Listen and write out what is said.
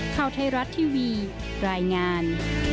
ข่าวไทยรัฐทีวีรายงาน